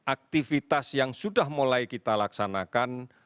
aktivitas yang sudah mulai kita laksanakan